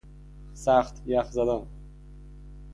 سخت یخ زدن